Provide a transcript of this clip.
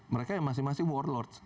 mereka yang masing masing warlord